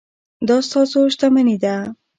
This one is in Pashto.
دا ستاسو شتمني ده.